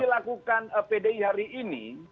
dilakukan pdi hari ini